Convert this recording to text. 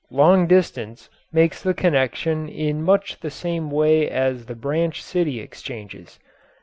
"Long Distance" makes the connection in much the same way as the branch city exchanges.